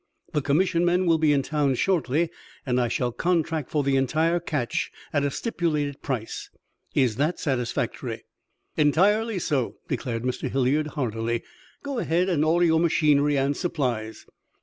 The commission men will be in town shortly, and I shall contract for the entire catch at a stipulated price. Is that satisfactory?" "Entirely so," declared Mr. Hilliard, heartily. "Go ahead and order your machinery and supplies."